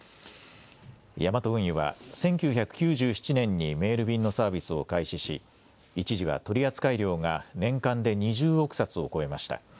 ヤマト運輸は１９９７年にメール便のサービスを開始し一時は取扱量が年間で２０億冊を超えました。